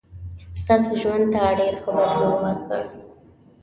ستاسو ژوند ته ډېر ښه بدلون ورکړ.